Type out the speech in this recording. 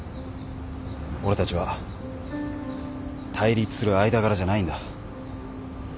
俺たちは対立する間柄じゃないんだ。